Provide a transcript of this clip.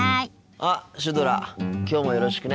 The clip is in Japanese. あっシュドラきょうもよろしくね。